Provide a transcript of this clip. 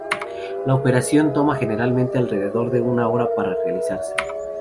La operación toma generalmente alrededor de una hora para realizarse.